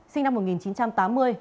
sinh năm một nghìn chín trăm tám mươi